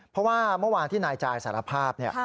เพราะว่าเมื่อวานที่นายจายสารภาพเนี่ย